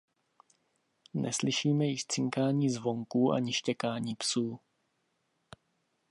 Neslyšíme již cinkání zvonků ani štěkání psů.